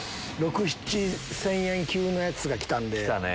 ６０００７０００円級のやつが来たんで。